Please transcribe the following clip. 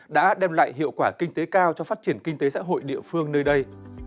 đã đem lại hiệu quả kinh tế cao cho phát triển kinh tế xã hội địa phương nơi đây